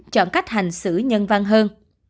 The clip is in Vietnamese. chọn cách hành xử nhân văn hơn